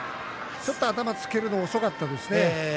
頭をつけるのが遅かったですね。